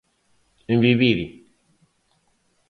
En "¡Vivir!"